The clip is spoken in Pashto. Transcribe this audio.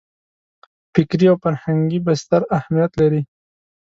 فکري او فرهنګي بستر اهمیت لري.